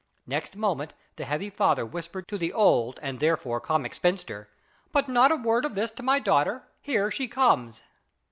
Next moment the heavy father whispered to the old, and there 240 IS IT A MAN* fore comic spinster, " But not a word of this to my daughter ; here she comes."